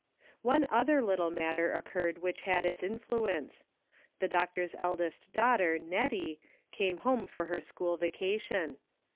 One other little matter occurred which had its influence. The doctor's eldest daughter, Nettie, came home for her school vacation.